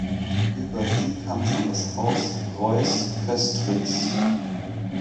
Über sie kam es an das Haus Reuß-Köstritz.